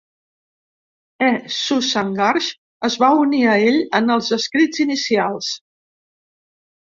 E. Susan Garsh es va unir a ell en els escrits inicials.